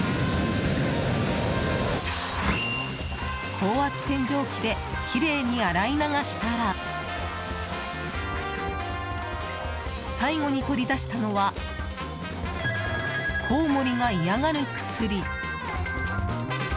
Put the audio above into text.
高圧洗浄機できれいに洗い流したら最後に取り出したのはコウモリが嫌がる薬。